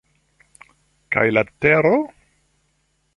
Kaj la tero?